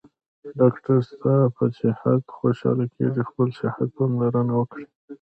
ډاکټر ستاپه صحت خوشحاله کیږي خپل صحته پاملرنه وکړه